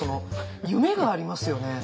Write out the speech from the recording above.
夢がありますよね。